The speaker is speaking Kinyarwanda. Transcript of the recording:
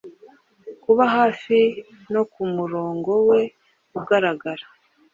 Kuba hafi, no kumurongo we ugaragara,